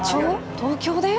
東京で？